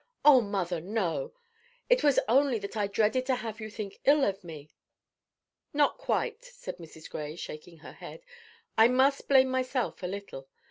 "Oh, mother, no! It was only that I dreaded to have you think ill of me." "Not quite," said Mrs. Gray, shaking her head. "I must blame myself a little.